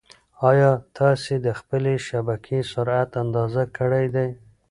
ایا تاسي د خپلې شبکې سرعت اندازه کړی دی؟